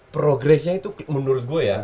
progresnya itu menurut gue ya